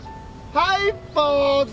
はいポーズ！